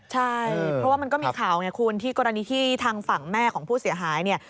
ใช่เพราะว่ามันก็มีข่าวไงคุณที่กรณีที่ทางฝั่งแม่ของผู้เสียหายเนี่ย